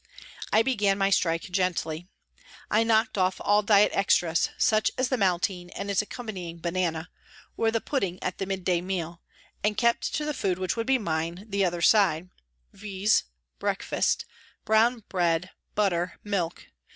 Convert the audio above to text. I began my strike gently ; I knocked off all diet extras, such as the maltine and its accompanying banana or the pudding at the mid day meal, and kept to the food which would be mine the other side, viz., Breakfast : Brown bread, butter, milk.